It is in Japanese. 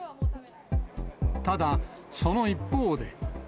ただ、その一方で。